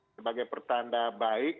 sebagai pertanda baik